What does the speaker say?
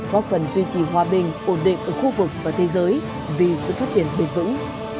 góp phần duy trì hòa bình ổn định ở khu vực và thế giới vì sự phát triển bền vững